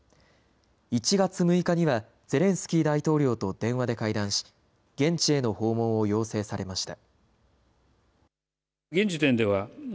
１月６日にはゼレンスキー大統領と電話で会談し現地への訪問を要請されました。